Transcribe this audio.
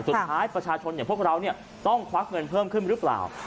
ประชาชนอย่างพวกเราต้องควักเงินเพิ่มขึ้นหรือเปล่า